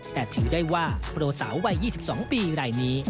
แต่ถือได้ว่าโปรสาววัย๒๒ปีรายนี้